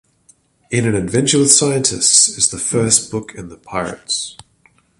In an Adventure with Scientists is the first book in The Pirates!